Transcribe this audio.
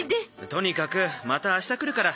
とにかくまた明日来るから。